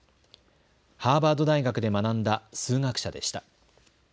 ハーバード大学で学んだ数学者でした。